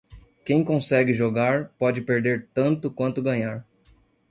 Quem consegue jogar, pode perder tanto quanto ganhar.